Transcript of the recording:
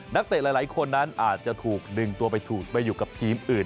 เตะหลายคนนั้นอาจจะถูกดึงตัวไปถูกไปอยู่กับทีมอื่น